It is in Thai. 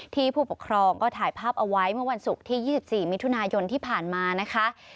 ผู้ปกครองก็ถ่ายภาพเอาไว้เมื่อวันศุกร์ที่๒๔มิถุนายนที่ผ่านมานะคะ